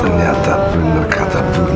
ternyata benar kata bu nek